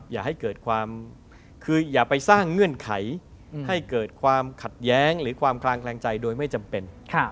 อย่าไปสร้างเงื่อนไขให้เกิดความขัดแย้งหรือความคลางแคลงใจโดยไม่จำเป็น